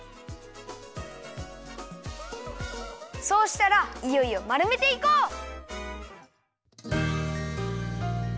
そうしたらいよいよまるめていこう！